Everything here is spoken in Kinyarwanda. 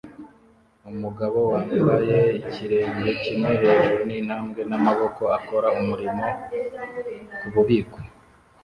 Umugabo wambaye ikirenge kimwe hejuru yintambwe namaboko akora umurimo kububiko